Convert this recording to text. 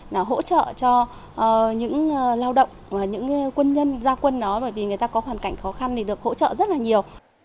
là hỗ trợ cho những lao động những quân nhân gia quân đó bởi vì người ta có hoàn cảnh khó khăn thì được hỗ trợ rất là nhiều